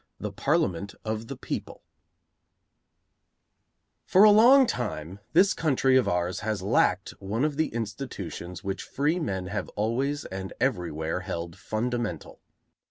V THE PARLIAMENT OF THE PEOPLE For a long time this country of ours has lacked one of the institutions which freemen have always and everywhere held fundamental.